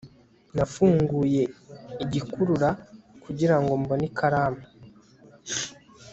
nafunguye igikurura kugirango mbone ikaramu